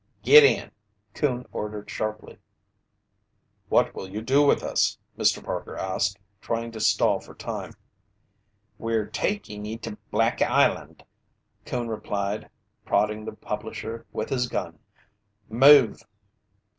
"Git in!" Coon ordered sharply. "What will you do with us?" Mr. Parker asked, trying to stall for time. "We're takin' ye to Black Island," Coon replied, prodding the publisher with his gun. "Move!"